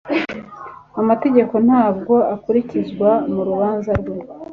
Amategeko ntabwo akurikizwa mu rubanza rwe.